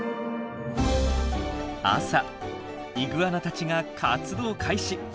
朝イグアナたちが活動開始。